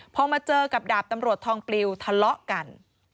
พอมาเจอกับดาบตำรวจทองปลิวทะเลาะกัน